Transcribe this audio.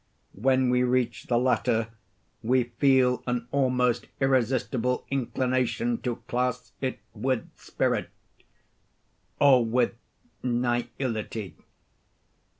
When we reach the latter, we feel an almost irresistible inclination to class it with spirit, or with nihility.